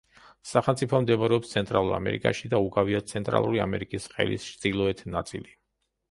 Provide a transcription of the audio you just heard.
სახელმწიფო მდებარეობს ცენტრალურ ამერიკაში და უკავია ცენტრალური ამერიკის ყელის ჩრდილოეთ ნაწილი.